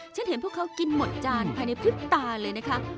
ฉันเห็นพวกเขากินหมดจานภายในพริบตาเลยนะคะ